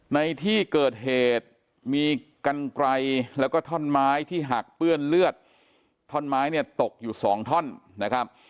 ในที่เกิดเหตุมีกันไกลแล้วก็ท่อนไม้ที่หักเปื้อนเลือดท่อนไม้เนี่ยตกอยู่สองท่อนนะครับ